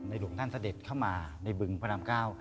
หลวงท่านเสด็จเข้ามาในบึงพระรามเก้า